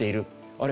あれ？